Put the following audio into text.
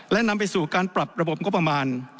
และนำไปสู่การปรับระบบงบประมาณ